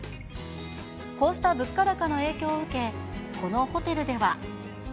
こうした物価高の影響を受け、このホテルでは。